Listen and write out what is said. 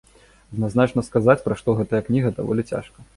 Адназначна сказаць, пра што гэтая кніга, даволі цяжка.